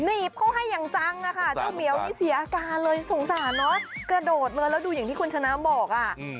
หนีบเขาให้อย่างจังอะค่ะเจ้าเหมียวนี่เสียอาการเลยสงสารเนอะกระโดดมาแล้วดูอย่างที่คุณชนะบอกอ่ะ